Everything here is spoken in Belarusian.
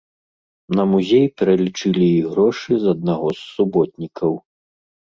На музей пералічылі і грошы з аднаго з суботнікаў.